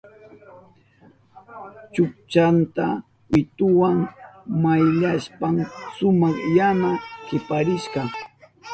Chukchanta wituwa mayllashpan suma yana kiparishka.